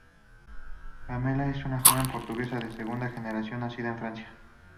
Pamela es una joven portuguesa de segunda generación nacida en Francia.